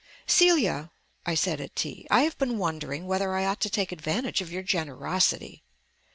"Celia," I said at tea, "I have been wondering whether I ought to take advantage of your generosity."